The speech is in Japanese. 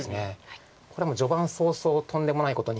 これは序盤早々とんでもないことに。